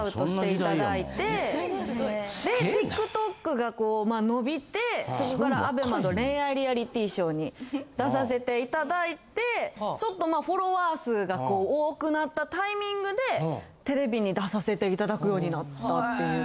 でＴｉｋＴｏｋがこう伸びてそこからＡＢＥＭＡの恋愛リアリティーショーに出させていただいてちょっとフォロワー数がこう多くなったタイミングでテレビに出させていただくようになったっていう。